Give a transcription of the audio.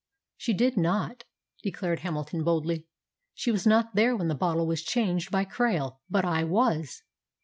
"She did not!" declared Hamilton boldly. "She was not there when the bottle was changed by Krail, but I was!"